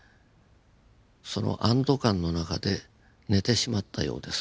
その安堵感の中で寝てしまったようです